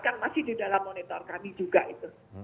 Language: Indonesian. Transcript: kan masih di dalam monitor kami juga itu